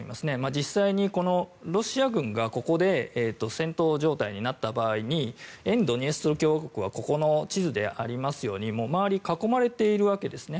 実際に、ロシア軍がここで戦闘状態になった場合に沿ドニエストル共和国はここの地図でありますように周り囲まれているわけですね。